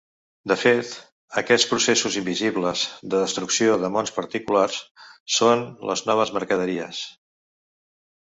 De fet, aquests processos invisibles de destrucció de mons particulars són les noves mercaderies.